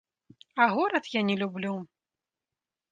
А горад я не люблю.